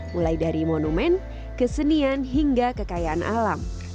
mulai dari monumen kesenian hingga kekayaan alam